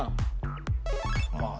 まあ